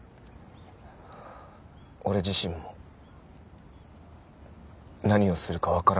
俺自身も何をするかわからない。